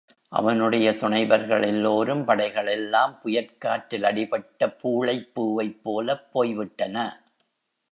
அவனுடைய துணைவர்கள் எல்லோரும், படைகள் எல்லாம், புயற் காற்றில் அடிபட்ட பூளைப் பூவைப் போலப் போய் விட்டன.